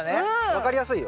分かりやすいよ。